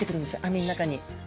網の中に。